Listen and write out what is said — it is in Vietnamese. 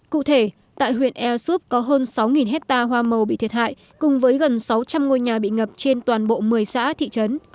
cụ thể tại huyện ea súp có hơn sáu hectare hoa màu bị thiệt hại cùng với gần sáu trăm linh ngôi nhà bị ngập trên toàn bộ một mươi xã thị trấn